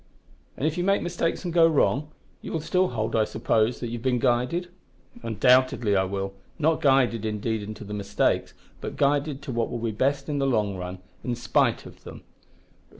'" "And if you make mistakes and go wrong, you will still hold, I suppose, that you have been guided?" "Undoubtedly I will not guided, indeed, into the mistakes, but guided to what will be best in the long run, in spite of them."